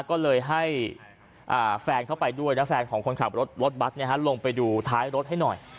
ก็เลยให้แฟนเข้าไปด้วยและแฟนของคนขับรถบัตรลงไปดูท้ายรถให้หน่อย